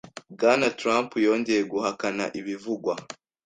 Bwana Trump yongeye guhakana ibivugwa